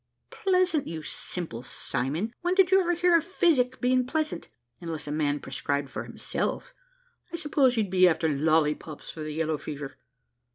"Pleasant! you simple Simon, when did you ever hear of physic being pleasant, unless a man prescribe for himself? I suppose you'd be after lollipops for the yellow fever.